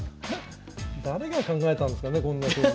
誰が考えたんすかねこんな将棋。